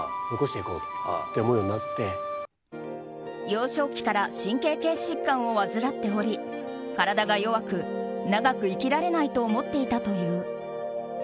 幼少期から神経系疾患を患っており体が弱く、長く生きられないと思っていたという。